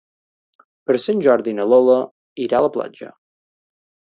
Per Sant Jordi na Lola irà a la platja.